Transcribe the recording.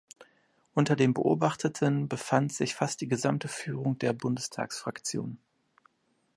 Unter den Beobachteten befand sich fast die gesamte Führung der Bundestagsfraktion.